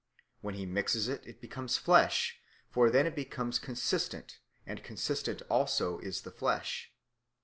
When he mixes it, it becomes flesh: for then it becomes consistent; and consistent also is the flesh.